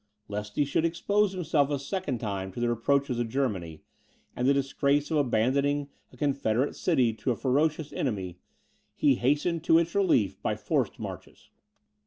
Lest he should expose himself a second time to the reproaches of Germany, and the disgrace of abandoning a confederate city to a ferocious enemy, he hastened to its relief by forced marches.